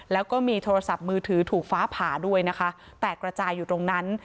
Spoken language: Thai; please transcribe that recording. แล้วก็มีโทรศัพท์มือถือถูกฟ้าผ่าด้วยนะคะแตกระจายอยู่ตรงนั้น